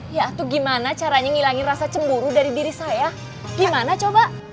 ya tuh gimana caranya ngilangin rasa cemburu dari diri saya gimana coba